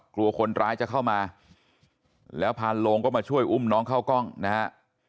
กลัวคนร้ายจะเข้ามาแล้วพานโลงก็มาช่วยอุ้มน้องเข้ากล้องนะฮะ